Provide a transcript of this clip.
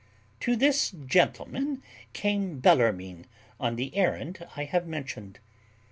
To this gentleman came Bellarmine, on the errand I have mentioned.